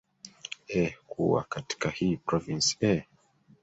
e kuwa katika hii province eeh